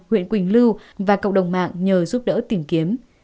huyện quỳnh lưu và cộng đồng mạng nhờ giúp đỡ tìm kiếm